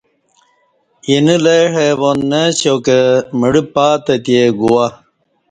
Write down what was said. اینہ لئ حیوان نہ اسیا کہ مڑہ پاتہ تے گوہ